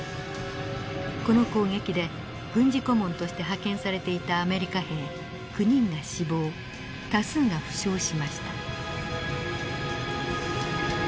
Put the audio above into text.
この攻撃で軍事顧問として派遣されていたアメリカ兵９人が死亡多数が負傷しました。